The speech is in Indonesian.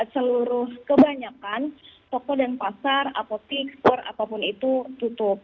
seluruh kebanyakan toko dan pasar apotekspor apapun itu tutup